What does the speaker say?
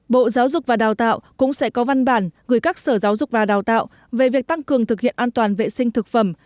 bộ giáo dục và đào tạo cũng sẽ có văn bản gửi các sở giáo dục và đào tạo về việc tăng cường thực hiện an toàn vệ sinh thực phẩm